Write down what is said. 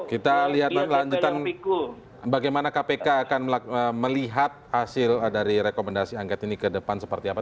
kita lihat lanjutan bagaimana kpk akan melihat hasil dari rekomendasi angket ini ke depan seperti apa